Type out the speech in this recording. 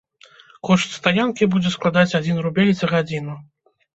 Кошт стаянкі будзе складаць адзін рубель за гадзіну.